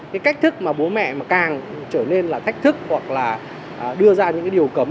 cái cách thức mà bố mẹ mà càng trở nên là thách thức hoặc là đưa ra những cái điều cấm